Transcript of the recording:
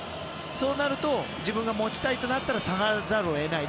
そうなると自分が持ちたいとなったら下がらざるを得ない。